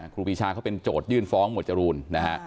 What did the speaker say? ครูปีชาเขาเป็นโจทยื่นฟ้องหมวดจรูนนะฮะ